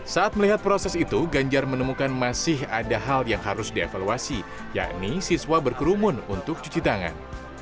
saat melihat proses itu ganjar menemukan masih ada hal yang harus dievaluasi yakni siswa berkerumun untuk cuci tangan